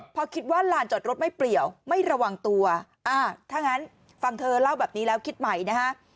พอคิดว่าลานจอดรถไม่เปลี่ยวไม่ระวังตัวอ่าถ้างั้นฟังเธอเล่าแบบนี้แล้วคิดใหม่นะฮะ